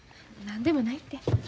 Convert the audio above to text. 何でもないて。